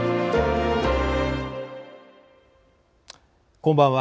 こんばんは。